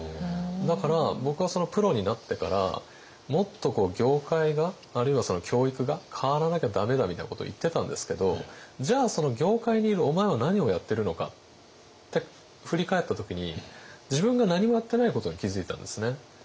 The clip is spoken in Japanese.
だから僕はプロになってからもっと業界があるいはその教育が変わらなきゃ駄目だみたいなことを言ってたんですけどじゃあその業界にいるお前は何をやってるのかって振り返った時に自分が何もやってないことに気付いたんですね。